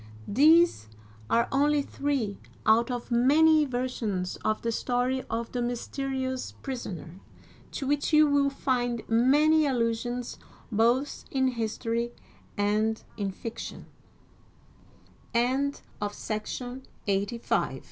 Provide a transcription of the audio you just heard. These are only three out of many versions of the story of the mysterious prisoner, to which you will find many allusions both in history and in fiction. LXXXVI. LOUIS XIV.'